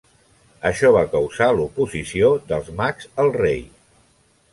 Això va causar l'oposició dels mags al rei.